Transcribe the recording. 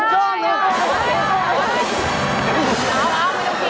นี่นี่อ่ะนี่อ่ะ